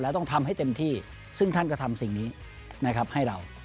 แล้วต้องทำให้เต็มที่ซึ่งท่านก็ทำสิ่งนี้นะครับให้เรา